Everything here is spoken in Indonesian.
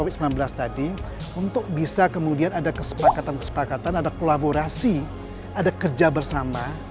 covid sembilan belas tadi untuk bisa kemudian ada kesepakatan kesepakatan ada kolaborasi ada kerja bersama